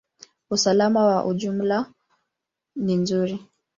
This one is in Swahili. Usalama kwa ujumla ni nzuri.